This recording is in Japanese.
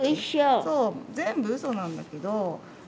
そう全部うそなんだけどう